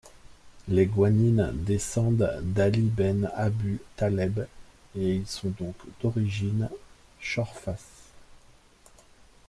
Les Gouanines descendent d'Ali ben Abu Taleb et ils sont donc d'origine chorfas.